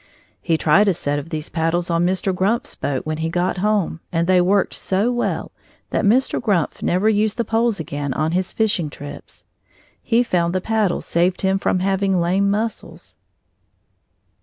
He tried a set of these paddles on Mr. Grumpf's boat when he got home, and they worked so well that Mr. Grumpf never used the poles again on his fishing trips. He found the paddles saved him from having lame muscles.